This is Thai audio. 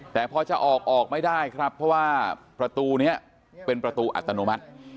แต่พอจะออกออกไม่ได้ครับเพราะว่าประตูนี้เป็นประตูอัตโนมัติ